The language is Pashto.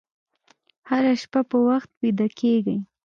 هره شپه په وخت ویده کېږئ.